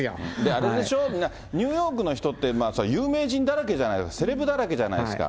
あれでしょ、ニューヨークの人って、有名人だらけじゃないですか、セレブだらけじゃないですか。